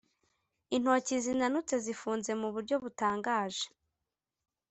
intoki zinanutse zifunze muburyo butangaje,